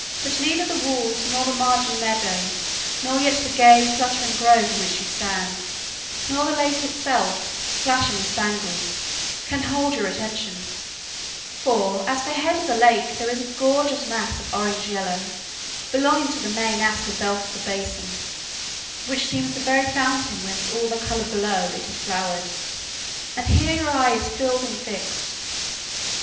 But neither the walls, nor the margin meadow, nor yet the gay, fluttering grove in which you stand, nor the lake itself, flashing with spangles, can long hold your attention; for at the head of the lake there is a gorgeous mass of orange yellow, belonging to the main aspen belt of the basin, which seems the very fountain whence all the color below it had flowed, and here your eye is filled and fixed.